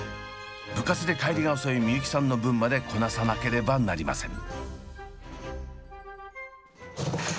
部活で帰りが遅い美夕輝さんの分までこなさなければなりません。